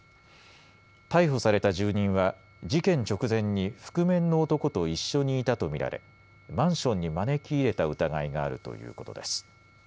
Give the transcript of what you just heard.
逮捕された住人は事件直前に覆面の男と一緒にいたと見られマンションに招き入れた疑いがあるということです。